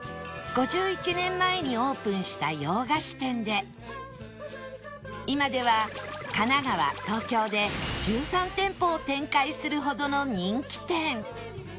５１年前にオープンした洋菓子店で今では神奈川東京で１３店舗を展開するほどの人気店